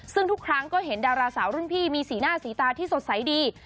ซึ่งทุกครั้งก็เห็นดาราสาวรุ่นพี่มีสีหน้าสีตาที่สดใสดี